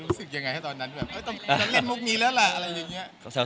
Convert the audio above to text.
รู้สึกยังไงฮะตอนนั้นแบบจะเล่นลุคนี้แล้วล่ะอะไรอย่างนี้